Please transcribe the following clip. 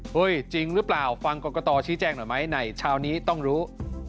จริงหรือเปล่าฟังกรกตชี้แจงหน่อยไหมในเช้านี้ต้องรู้